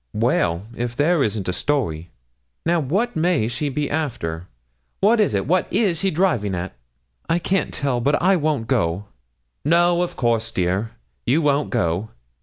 Well if there isn't a story! Now what may she be after what is it what is she driving at?' 'I can't tell, but I won't go.' 'No, of course, dear, you won't go.